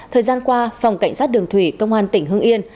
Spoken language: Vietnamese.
thời gian qua phòng cảnh sát đường thủy công an tp hương yên